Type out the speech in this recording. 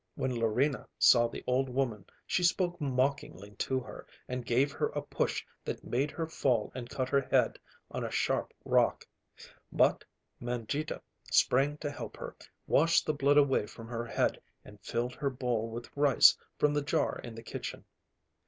When Larina saw the old woman she spoke mockingly to her and gave her a push that made her fall and cut her head on a sharp rock; but Mangita sprang to help her, washed the blood away from her head, and filled her bowl with rice from the jar in the kitchen.